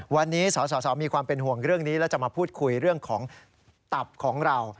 วันนี้สสมีความเป็นห่วงเรื่องนี้แล้วจะมาพูดคุยเรื่องของตับของเรา